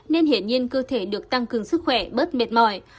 nên hiển nhiên cơ thể được tăng cường sức khỏe bớt mệt mỏi